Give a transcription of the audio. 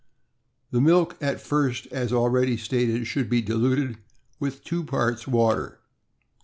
The milk at first, as already stated, should be diluted with two parts water.